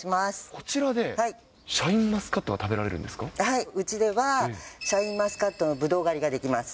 こちらでシャインマスカットはい、うちではシャインマスカットのぶどう狩りができます。